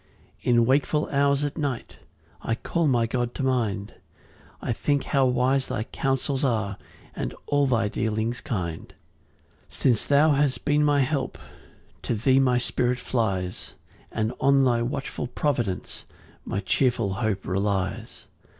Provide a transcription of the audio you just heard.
6 In wakeful hours at night I call my God to mind; I think how wise thy counsels are, And all thy dealings kind. 7 Since thou hast been my help, To thee my spirit flies, And on thy watchful providence My cheerful hope relies.